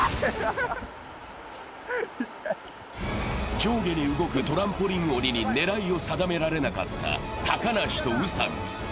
上下に動くトランポリン鬼に狙いを定められなかった高梨と宇佐美。